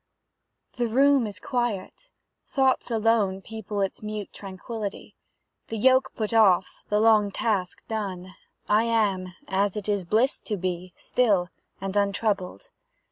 The room is quiet, thoughts alone People its mute tranquillity; The yoke put off, the long task done, I am, as it is bliss to be, Still and untroubled.